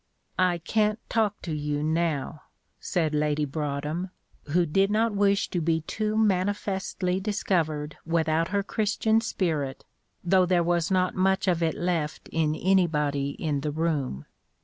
"I can't talk to you now," said Lady Broadhem, who did not wish to be too manifestly discovered without her Christian spirit, though there was not much of it left in anybody in the room.